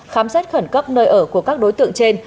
khám xét khẩn cấp nơi ở của các đối tượng trên